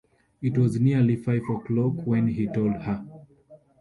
It was nearly five o’clock when he told her.